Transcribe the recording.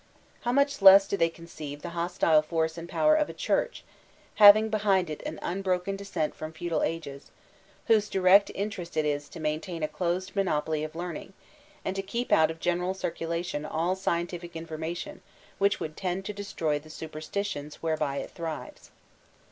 How much less do they conceive the hostile force and power of a Church, having behind it an unbroken descent from feudal ages, whose direct interest it is to maintain a closed monopoly of learning, and to keep out of general circulation all scientific information which would tend to destroy the superstitions whereby it thrives.